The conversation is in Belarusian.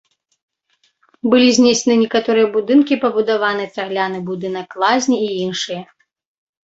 Былі знесены некаторыя будынкі, пабудаваны цагляны будынак лазні і іншыя.